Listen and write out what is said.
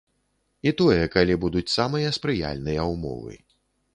І тое, калі будуць самыя спрыяльныя ўмовы.